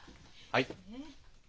はい。